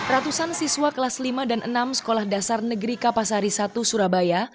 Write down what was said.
ratusan siswa kelas lima dan enam sekolah dasar negeri kapasari satu surabaya